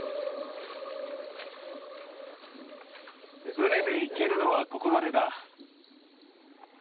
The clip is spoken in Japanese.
船で行けるのはここまでだ